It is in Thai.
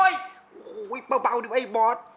ชื่อฟอยแต่ไม่ใช่แฟง